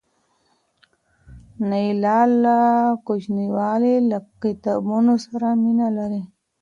نایله له کوچنیوالي له کتابونو سره مینه لرله.